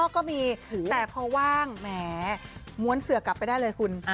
ก็มีแต่พอว่างแหมด้วนเสือกลับไปได้เลยคุณ